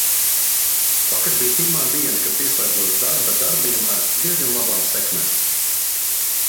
Vakar bija pirmā diena, kad pieslēdzos darba darbiem ar diezgan labām sekmēm.